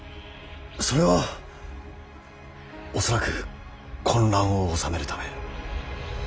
それは恐らく混乱を収めるため。